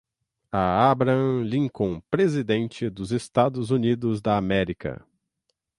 A Abraham Lincoln, Presidente dos Estados Unidos da América